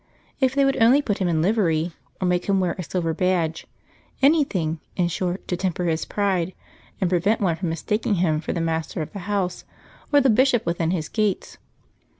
If they would only put him in livery, or make him wear a silver badge; anything, in short, to temper his pride and prevent one from mistaking him for the master of the house or the bishop within his gates.